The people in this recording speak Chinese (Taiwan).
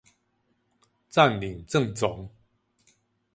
佔領政總